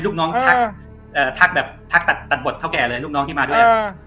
ลูกน้องทักแต่บทเท่าแก่เนี่ยทักมาด้วย